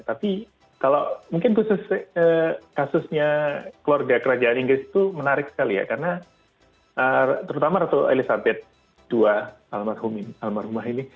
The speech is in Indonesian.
tapi kalau mungkin khusus kasusnya keluarga kerajaan inggris itu menarik sekali ya karena terutama ratu elizabeth ii almarhum almarhumah ini